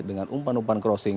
dengan umpan umpan crossing